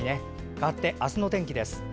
かわって、明日の天気です。